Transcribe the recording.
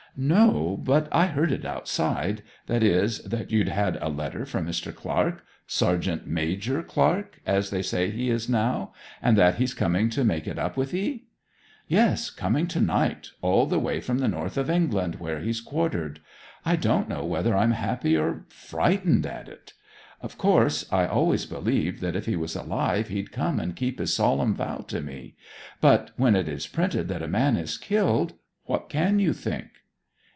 'No. But I heard it outside, that is, that you'd had a letter from Mr. Clark Sergeant Major Clark, as they say he is now and that he's coming to make it up with 'ee.' 'Yes; coming to night all the way from the north of England where he's quartered. I don't know whether I'm happy or frightened at it. Of course I always believed that if he was alive he'd come and keep his solemn vow to me. But when it is printed that a man is killed what can you think?'